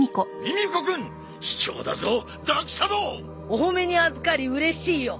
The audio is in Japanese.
お褒めにあずかりうれしいよ。